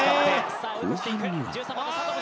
後半には。